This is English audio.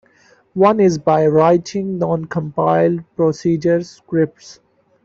One is by writing non-compiled procedure scripts.